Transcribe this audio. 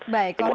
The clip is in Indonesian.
baik om gita